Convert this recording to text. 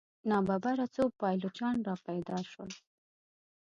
ناببره څو پایلوچان را پیدا شول.